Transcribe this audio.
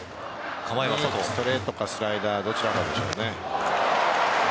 ストレートかスライダーどちらかでしょうね。